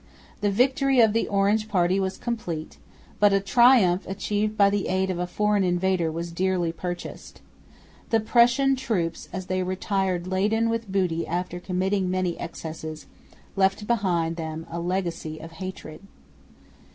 The victory of the Orange party was complete; but a triumph achieved by the aid of a foreign invader was dearly purchased. The Prussian troops, as they retired laden with booty after committing many excesses, left behind them a legacy of hatred.